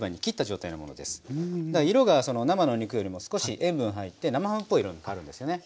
色が生の肉よりも少し塩分入って生ハムっぽい色に変わるんですよね。